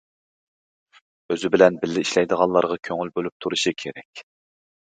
ئۆزى بىلەن بىللە ئىشلەيدىغانلارغا كۆڭۈل بۆلۈم تۇرۇشى كېرەك.